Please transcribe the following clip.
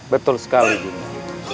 betul sekali dinda